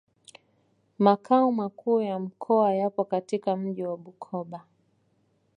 Makao makuu ya mkoa yapo katika mji wa Bukoba